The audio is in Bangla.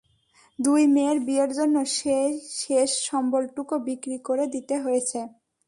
দুই মেয়ের বিয়ের জন্য সেই শেষ সম্বলটুকু বিক্রি করে দিতে হয়েছে।